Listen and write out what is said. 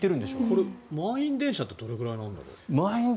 これ、満員電車ってどれくらいなんだろう。